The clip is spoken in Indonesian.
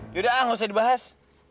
sudah ah nggak usah dibahas